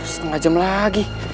setengah jam lagi